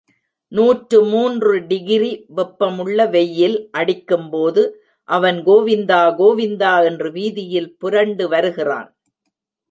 நூற்றுமூன்று degree வெப்பமுள்ள வெயில் அடிக்கும்போது அவன் கோவிந்தா, கோவிந்தா என்று வீதியில் புரண்டு வருகிறான்.